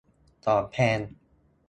ของแพง